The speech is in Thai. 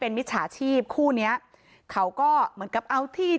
มิจฉาชีพคู่เนี้ยเขาก็เหมือนกับเอาที่